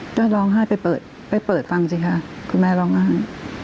ก็ร้องไห้ไปเปิดไปเปิดฟังสิค่ะคุณแม่ร้องไห้